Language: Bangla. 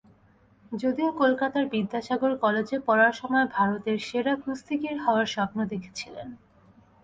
যদিও কলকাতার বিদ্যাসাগর কলেজে পড়ার সময় ভারতের সেরা কুস্তিগির হওয়ার স্বপ্ন দেখেছিলেন।